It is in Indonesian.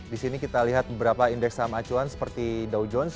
di sini kita lihat beberapa indeks saham acuan seperti dow jones